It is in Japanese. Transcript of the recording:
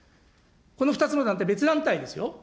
この２つの団体、別団体ですよ。